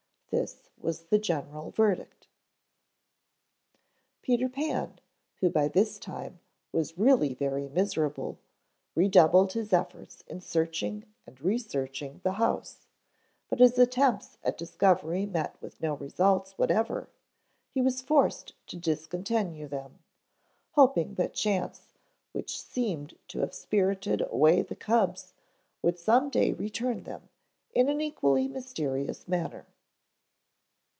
This was the general verdict. Peter Pan, who by this time was really very miserable, redoubled his efforts in searching and researching the house, but as his attempts at discovery met with no results whatever he was forced to discontinue them, hoping that chance which seemed to have spirited away the cubs would some day return them in an equally mysterious manner.